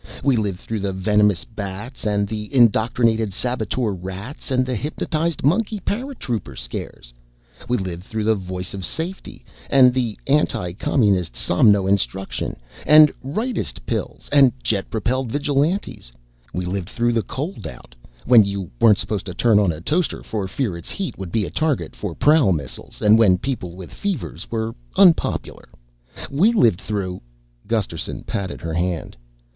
We lived through the Venomous Bats and Indoctrinated Saboteur Rats and the Hypnotized Monkey Paratrooper scares. We lived through the Voice of Safety and Anti Communist Somno Instruction and Rightest Pills and Jet Propelled Vigilantes. We lived through the Cold Out, when you weren't supposed to turn on a toaster for fear its heat would be a target for prowl missiles and when people with fevers were unpopular. We lived through " Gusterson patted her hand.